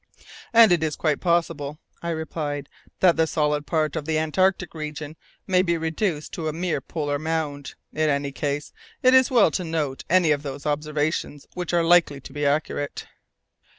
"And it is quite possible," I replied, "that the solid part of the Antarctic region may be reduced to a mere polar mound. In any case, it is well to note any of those observations which are likely to be accurate."